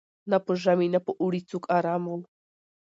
نه په ژمي نه په اوړي څوک آرام وو